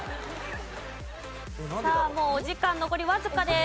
さあもうお時間残りわずかです。